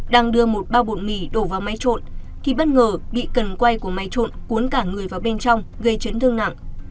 đang đưa một bao bộn mì đổ vào máy trộn thì bất ngờ bị cần quay của máy trộn cuốn cả người vào bên trong gây chấn thương nặng